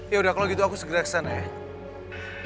ya udah kalau gitu aku segera kesana ya